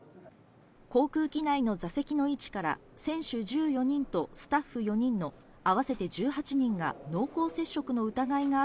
航空機内の座席の位置から、選手１４人とスタッフ４人の合わせて１８人が濃厚接触の疑いがあ